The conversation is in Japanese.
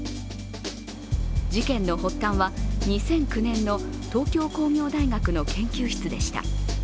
事件の発端は２００９年の東京工業大学の研究室でした。